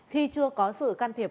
khi chưa có sự can thiệp